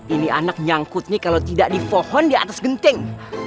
ini anak nyangkutnya kalau tidak di pohon di atas genting